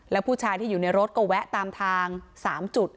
แล้วผู้ชายที่อยู่ในรถก็แวะตามทาง๓จุด